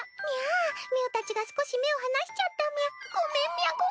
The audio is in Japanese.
みゃあみゅーたちが少し目を離しちゃったみゃ。